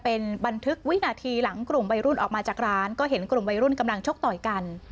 เป็นบันทึกวินาทีหลังกลุ่มวัยรุ่นออกมาจากร้านก็เห็นกลุ่มวัยรุ่นกำลังชกต่อยกัน